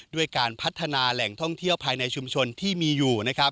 ด้วยการพัฒนาแหล่งท่องเที่ยวภายในชุมชนที่มีอยู่นะครับ